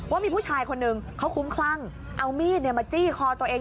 ว่ามีผู้ชายคนหนึ่งเขาคุ้มคลั่งเอามีดมาจี้คอตัวเอง